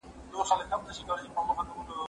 زه اجازه لرم چې کتاب واخلم!